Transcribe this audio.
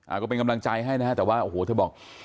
ก็เป็นกำลังใจให้นะฮะแต่ว่าโอ้โหเธอบอก